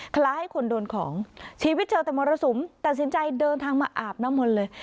คล้ายคนโดนของชีวิตเจอแต่มรสุมตัดสินใจเดินทางมาอาบน้ำมนต์เลย